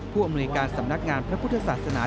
ผู้อำนวยการสำนักงานพระพุทธศาสนา